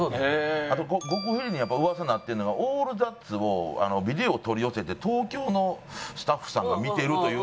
あと極秘裏に噂になってるのが『オールザッツ』をビデオ取り寄せて東京のスタッフさんが見てるという噂があって。